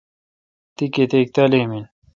تی کتیک تعلیم این؟